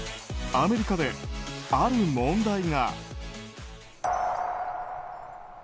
アメリカである問題が。